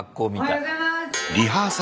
おはようございます！